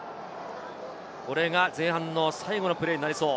これが前半、最後のプレーになりそう。